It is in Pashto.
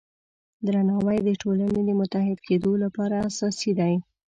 درناوی د ټولنې د متحد کیدو لپاره اساسي دی.